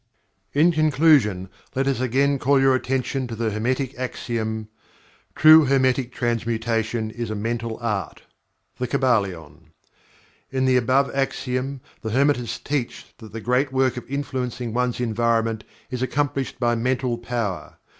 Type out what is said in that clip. In conclusion let us again call your attention to the Hermetic Axiom: "True Hermetic Transmutation is a Mental Art." The Kybalion. In the above axiom, the Hermetists teach that the great work of influencing one's environment is accomplished by Mental Power.